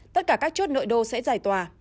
tất cả các chốt nội đô sẽ giải tỏa